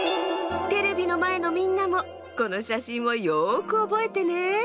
テレビのまえのみんなもこのしゃしんをよくおぼえてね。